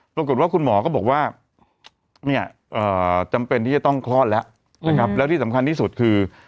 ปรากฏว่าคุณหมอก็บอกว่าเนี่ยจำเป็นที่จะต้องคลอดแล้วนะครับแล้วที่สำคัญที่สุดคือ